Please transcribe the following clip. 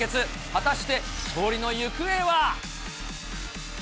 果たして勝利の行方は。